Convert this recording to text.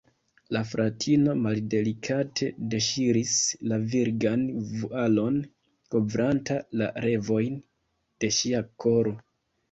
La fratino maldelikate deŝiris la virgan vualon, kovranta la revojn de ŝia koro.